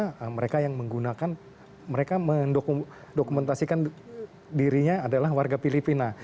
karena mereka yang menggunakan mereka mendokumentasikan dirinya adalah warga filipina